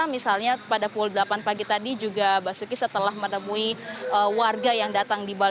misalnya pada pukul delapan pagi tadi juga basuki setelah menemui warga yang datang